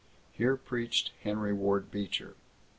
Here preached Henry Ward Beecher.